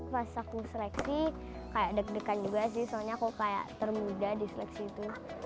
pas aku seleksi kayak deg degan juga sih soalnya aku kayak termuda di seleksi itu